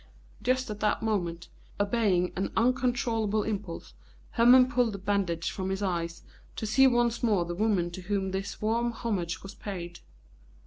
Just at that moment, obeying an uncontrollable impulse, Hermon pulled the bandage from his eyes to see once more the woman to whom this warm homage was paid.